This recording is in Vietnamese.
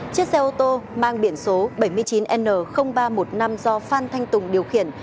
chiếc xe ô tô mang biển số bảy mươi chín n ba trăm một mươi năm do phan thanh tùng điều khiển